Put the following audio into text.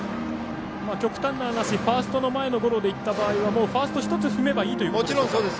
極端な話、ファースト前のゴロでいった場合は、ファースト１つ踏めばいいということですね。